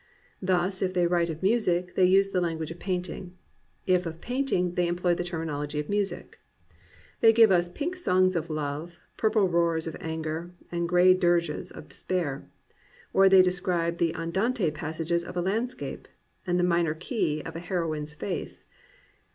Thus if they write of music, they use the language of painting; if of painting, they employ the terminology of music. They give us pink songs of love, purple roars of anger, and gray dirges of despair. Or they describe the andante passages of a landscape, and the minor key of a heroine's face.